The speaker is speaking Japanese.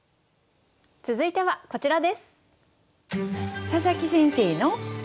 続いてはこちらです。